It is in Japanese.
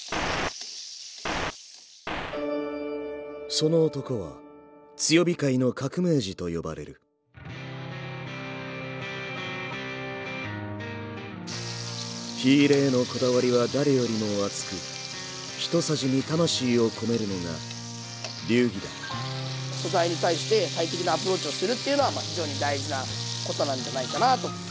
その男は強火界の革命児と呼ばれる火入れへのこだわりは誰よりも熱くひとさじに魂を込めるのが流儀だっていうのはまあ非常に大事なことなんじゃないかなと。